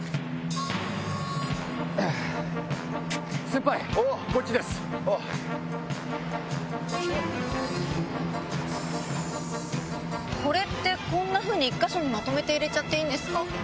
先輩、これって、こんなふうに１か所にまとめて入れちゃっていいんですか？